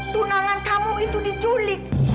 tunangan kamu itu diculik